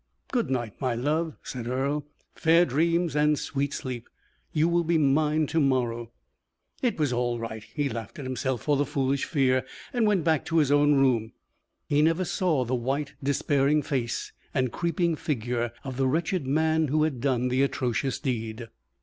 "Good night, my love," said Earle; "fair dreams, sweet sleep. You will be mine to morrow." It was all right. He laughed at himself for the foolish fear, and went back to his own room. He never saw the white, despairing face and creeping figure of the wretched man who had done the atrocious deed.